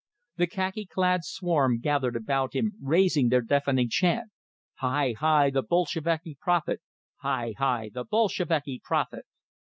The khaki clad swarm gathered about him, raising their deafening chant: "Hi! Hi! The Bolsheviki prophet. Hi! Hi! The Bolsheviki prophet!"